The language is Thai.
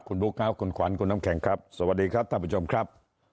คุณบุ๊คครับคุณขวัญคุณน้ำแข็งครับสวัสดีครับท่านผู้ชมครับ